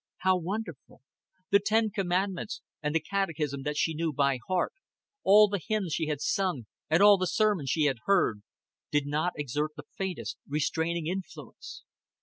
How wonderful. The ten commandments and the catechism that she knew by heart, all the hymns she had sung and all the sermons she had heard, did not exert the faintest restraining influence.